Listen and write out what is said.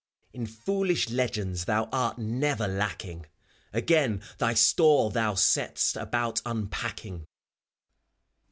FAUST. In foolish legends thou art never lacking; Again thy store thou set'st about unpacking.